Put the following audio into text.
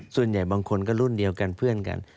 ส่วนใหญ่บางคนก็รุ่นเดียวกันเพื่อนกัน